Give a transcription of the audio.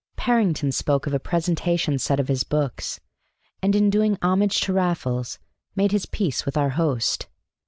Parrington spoke of a presentation set of his books, and in doing homage to Raffles made his peace with our host.